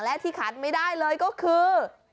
และที่ขาดไม่ได้เลยก็คือ